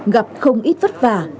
gặp không ít vất vả